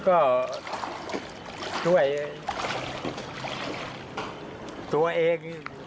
ก็ช่วยตัวเอง